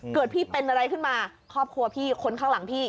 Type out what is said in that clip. พี่เป็นอะไรขึ้นมาครอบครัวพี่คนข้างหลังพี่